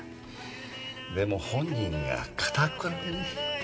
でも本人がかたくなで。